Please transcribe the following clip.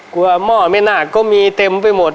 หม้อแม่นาคก็มีเต็มไปหมด